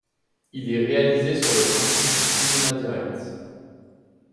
Il est réalisé sur le principe du Cinéma direct.